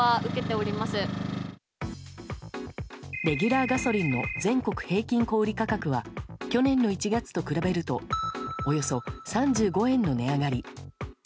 レギュラーガソリンの全国平均小売価格は去年の１月と比べるとおよそ３５円の値上がり。